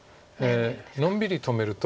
のんびり止めると。